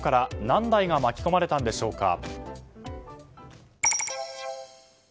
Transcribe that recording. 何台が巻き込まれたんでしょうか。